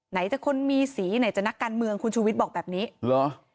ไหนจะคนมีสีไหนจะนักการเมืองคุณชูวิทย์บอกแบบนี้เหรอ